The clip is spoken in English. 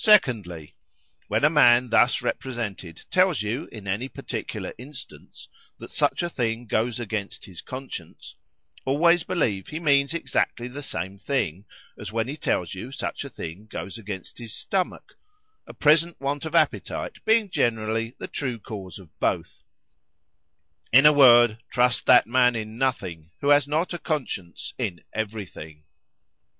"Secondly, When a man, thus represented, tells you in any particular instance,——That such a thing goes "against his conscience,——always believe he means exactly the same thing, as when he tells you such a thing goes against his stomach;—a present want of appetite being generally the true cause of both. "In a word,—trust that man in nothing, who has not a CONSCIENCE in every thing.